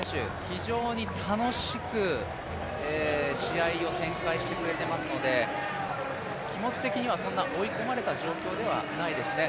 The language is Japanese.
非常に楽しく試合を展開してくれていますので気持ち的にはそんな追い込まれた状況ではないですね。